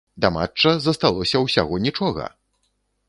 Да матча засталося ўсяго нічога!